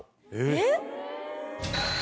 えっ？